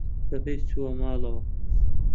بە پێ چووە ماڵەوە.